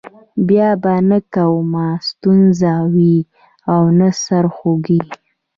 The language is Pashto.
بیا به نه کومه ستونزه وي او نه سر خوږی.